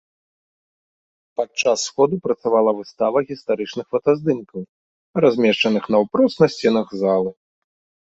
Падчас сходу працавала выстава гістарычных фотаздымкаў, размешчаных наўпрост на сценах залы.